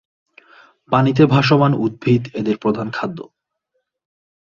পানিতে ভাসমান উদ্ভিদ এদের প্রধান খাদ্য।